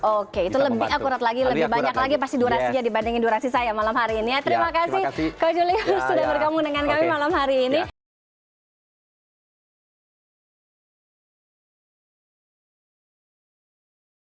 oke itu lebih akurat lagi lebih banyak lagi pasti durasinya dibandingin durasi saya malam hari ini ya